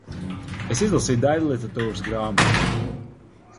Es izlasīju daiļliteratūras grāmatu.